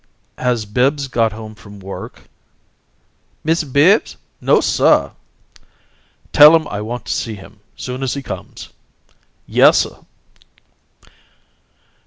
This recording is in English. "Has Bibbs got home from work?" "Mist' Bibbs? No, suh." "Tell him I want to see him, soon as he comes." "Yessuh."